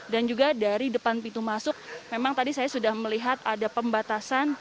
dan juga dari depan pintu masuk memang tadi saya sudah melihat ada pembatasan